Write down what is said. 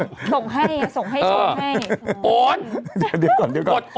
ส่งให้ส่งให้ดีกว่าโอนเดี๋ยวก่อน